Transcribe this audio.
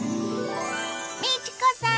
美智子さん